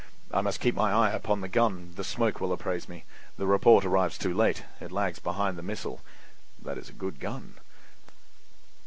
I must keep my eye upon the gun; the smoke will apprise me—the report arrives too late; it lags behind the missile. That is a good gun."